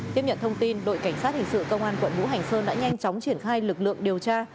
tiếp nhận thông tin đội cảnh sát hình sự công an quận ngũ hành sơn đã nhanh chóng triển khai lực lượng điều tra